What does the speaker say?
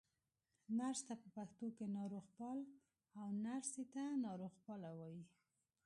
نرس ته په پښتو کې ناروغپال، او نرسې ته ناروغپاله وايي.